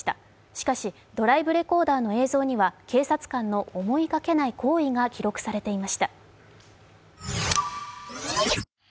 しかし、ドライブレコーダーの映像には警察官の思いがけない行為が記録されていました。